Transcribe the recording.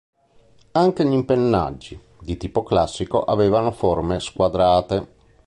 Anche gli impennaggi, di tipo classico, avevano forme squadrate.